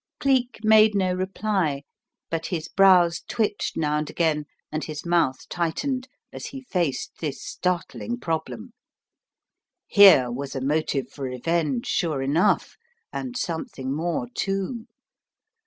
Cleek made no reply, but his brows twitched now and again and his mouth tightened, as he faced this startling problem. Here was a motive for revenge sure enough and something more, too.